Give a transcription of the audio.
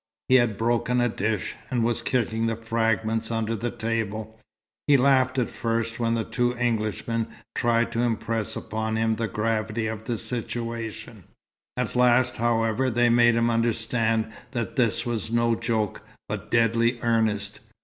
He had broken a dish, and was kicking the fragments under the table. He laughed at first when the two Englishmen tried to impress upon him the gravity of the situation; at last, however, they made him understand that this was no joke, but deadly earnest.